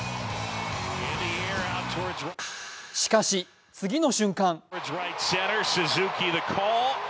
しかし、次の瞬間！